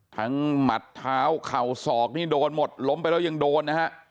หมัดเท้าเข่าศอกนี่โดนหมดล้มไปแล้วยังโดนนะฮะ